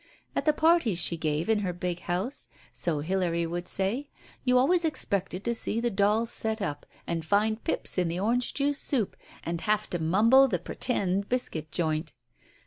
At the parties she gave in her big house, so Hilary would say, you always expected to see the dolls set up, and find pips in the orange juice soup, and have to mumble the "pretend " biscuit joint.